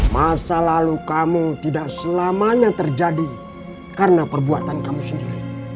masa lalu kamu tidak selamanya terjadi karena perbuatan kamu sendiri